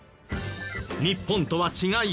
日本とは違い